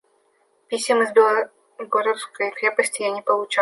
Писем из Белогорской крепости я не получал.